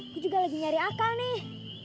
aku juga lagi nyari akal nih